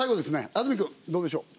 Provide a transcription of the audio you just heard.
安住くんどうでしょう？